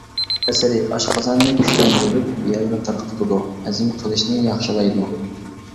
تەسىرى: ئاشقازاننى كۈچلەندۈرۈپ، يەلنى تارقىتىدۇ، ھەزىم قىلىشنى ياخشىلايدۇ.